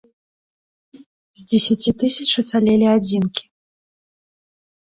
З дзесяці тысяч ацалелі адзінкі.